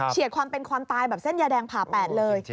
ความเป็นความตายแบบเส้นยาแดงผ่าแปดเลย